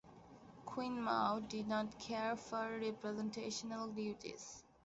Queen Maud did not care for representational duties.